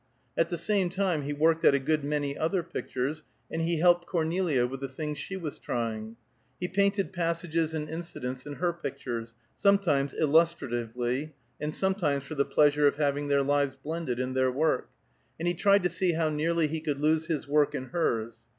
At the same time he worked at a good many other pictures, and he helped Cornelia with the things she was trying. He painted passages and incidents in her pictures, sometimes illustratively, and sometimes for the pleasure of having their lives blended in their work, and he tried to see how nearly he could lose his work in hers.